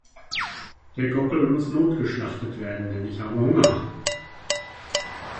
Der Gockel muss notgeschlachtet werden, denn ich habe Hunger.